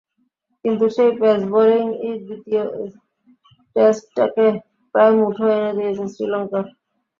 কিন্তু সেই পেস বোলিংই দ্বিতীয় টেস্টটাকে প্রায় মুঠোয় এনে দিয়েছে শ্রীলঙ্কার।